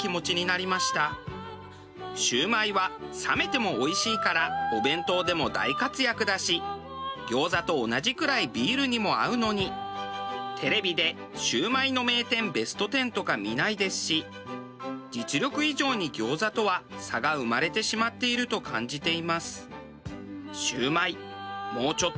シュウマイは冷めてもおいしいからお弁当でも大活躍だし餃子と同じくらいビールにも合うのにテレビで「シュウマイの名店ベスト１０」とか見ないですし実力以上に餃子とは差が生まれてしまっていると感じています。